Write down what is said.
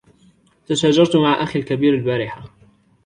تشاجرت مع أخي الكبير البارحة.